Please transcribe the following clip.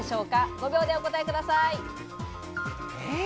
５秒でお答えください。